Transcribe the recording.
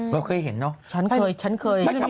พวกเคยเห็นเนอะ